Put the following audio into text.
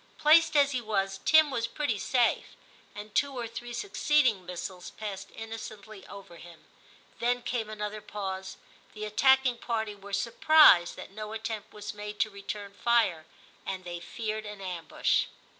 Placed as he was, Tim was pretty safe, and two or three succeeding missiles passed innocently over him. Then came another pause ; the attacking party were surprised that no attempt was made to return fire, and they feared an ambush.